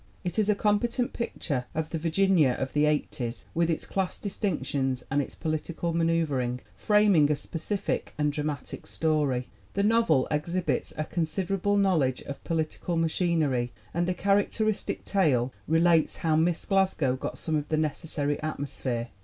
It is a competent picture of the Virginia of the '8os with its class distinctions and its political ma neuvering, framing a specific and dramatic story. The novel exhibits a considerable knowledge of political machinery and a characteristic tale relates how Miss Glasgow got some of the necessary "atmosphere."